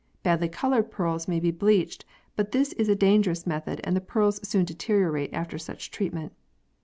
Badly coloured pearls may be bleached, but this is a dangerous method and the pearls soon deteriorate after such treatment.